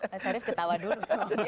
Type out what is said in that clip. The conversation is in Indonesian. mas arief ketawa dulu